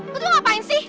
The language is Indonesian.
lo tuh ngapain sih